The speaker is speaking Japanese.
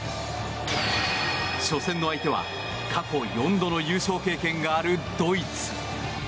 初戦の相手は、過去４度の優勝経験があるドイツ。